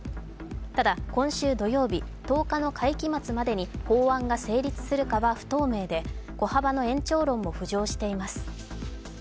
ただ、今週土曜日１０日の会期末までに法案が成立するかは不透明で小幅の延長論も浮上しています。